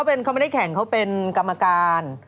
เขาไม่ได้แข่งเขาเป็นกรรมการ